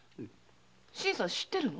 新さん知ってるの？